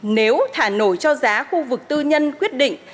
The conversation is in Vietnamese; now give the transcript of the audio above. nếu thả nổi cho giá khu vực tư nhân quyết định